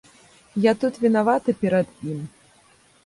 Я тут вінаваты перад ім.